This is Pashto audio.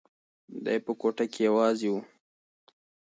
دی په کوټه کې یوازې و.